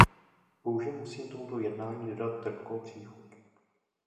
Bohužel musím tomuto jednání dodat trpkou příchuť.